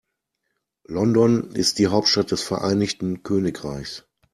London ist die Hauptstadt des Vereinigten Königreichs.